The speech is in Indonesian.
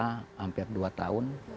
hampir dua tahun